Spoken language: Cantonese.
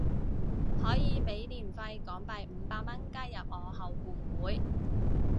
可以俾年費港幣五百蚊加入我後援會